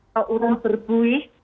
atau urin berbuih